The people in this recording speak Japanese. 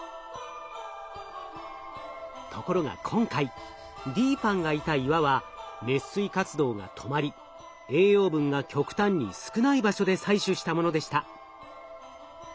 ところが今回ＤＰＡＮＮがいた岩は熱水活動が止まり栄養分が極端に少ない場所で採取したものでした。